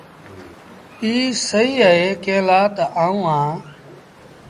ايٚ سهيٚ اهي ڪݩهݩ لآ تا آئوٚنٚ اهآنٚ۔